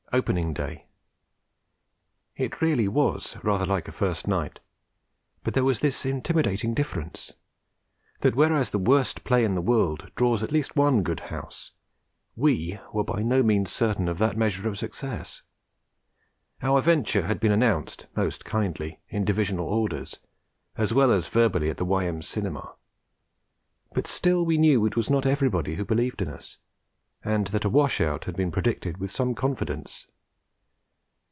OPENING DAY It really was rather like a first night; but there was this intimidating difference, that whereas the worst play in the world draws at least one good house, we were by no means certain of that measure of success. Our venture had been announced, most kindly, in Divisional Orders, as well as verbally at the Y.M. Cinema; but still we knew it was not everybody who believed in us, and that 'a wash out' had been predicted with some confidence.